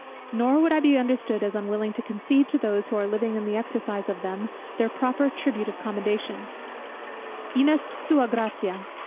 Nor would I be understood as unwilling to concede to those who are living in the exercise of them, their proper tribute of commendation: Inest sua gratia.